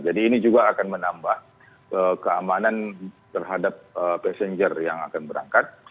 jadi ini juga akan menambah keamanan terhadap passenger yang akan berangkat